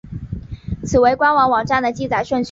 此为官方网站的记载顺序。